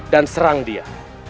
dan serang dia